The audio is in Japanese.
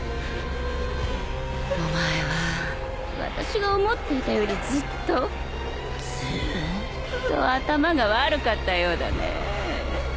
お前は私が思っていたよりずっとずーっと頭が悪かったようだねぇ。